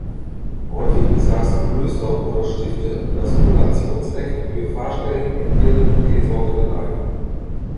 Häufig besaßen Klöster oder Stifte das Kollationsrecht für Pfarrstellen in ihrem Seelsorgebereich.